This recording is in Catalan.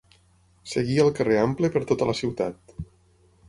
Seguia el Carrer Ample per tota la ciutat.